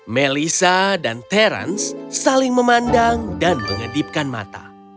melissa dan terence saling memandang dan mengedipkan mata